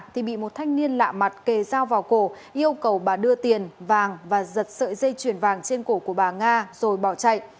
thì bị một thanh niên lạ mặt kề dao vào cổ yêu cầu bà đưa tiền vàng và giật sợi dây chuyền vàng trên cổ của bà nga rồi bỏ chạy